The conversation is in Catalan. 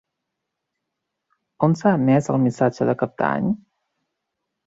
On s'ha emès el missatge de Cap d'Any?